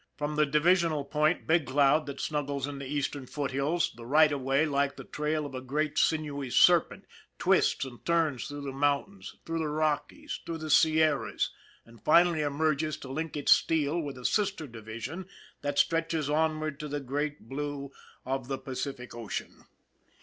From the divisional point, Big Cloud, that snuggles at the east ern foothills, the right of way, like the trail of a great sinewy serpent, twists and curves through the moun tains, through the Rockies, through the Sierras, and finally emerges to link its steel with a sister division, that stretches onward to the great blue of the Pacific Ocean.